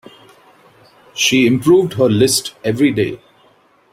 She improved her list every day.